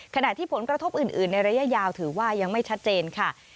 ขณะที่ผลกระทบอื่นในระยะยาวถือว่ายังไม่ชัดเจนค่ะ